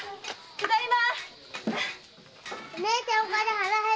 ただいま！